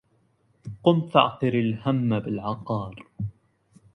قم فاعقر الهم بالعقار